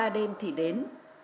ba đêm thì đến